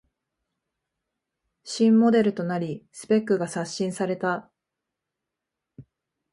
新モデルとなりスペックが刷新された